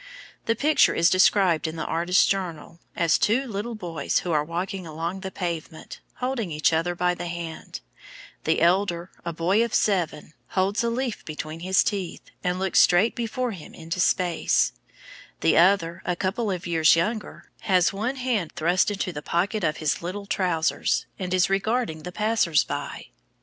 The picture is described in the artist's journal as "two little boys, who are walking along the pavement, holding each other by the hand; the elder, a boy of seven, holds a leaf between his teeth, and looks straight before him into space; the other, a couple of years younger, has one hand thrust into the pocket of his little trousers, and is regarding the passers by."